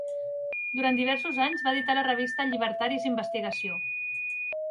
Durant diversos anys va editar la revista llibertaris "investigació".